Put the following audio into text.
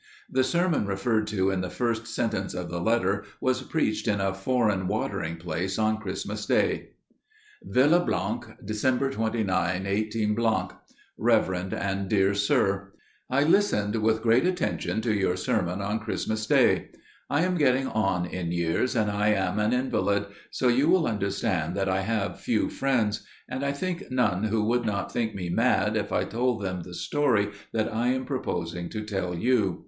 The sermon referred to in the first sentence of the letter was preached in a foreign watering place on Christmas Day. "VILLA–––– "December 29, 18–– "Reverend and Dear Sir, "I listened with great attention to your sermon on Christmas Day; I am getting on in years, and I am an invalid; so you will understand that I have few friends––and I think none who would not think me mad if I told them the story that I am proposing to tell you.